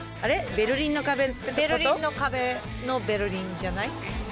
ベルリンの壁のベルリンじゃない？